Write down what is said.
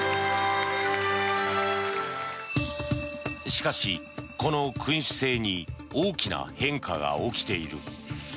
しかし、この君主制に大きな変化が起きている。